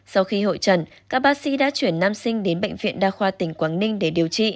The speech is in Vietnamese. sau khi hội trần các bác sĩ đã chuyển nam sinh đến bệnh viện đa khoa tỉnh quảng ninh để điều trị